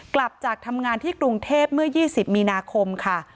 กลับจากทำงานที่กรุงเทพเมื่อ๒๐มีนาคมค่ะ